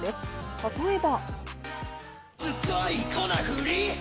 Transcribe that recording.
例えば。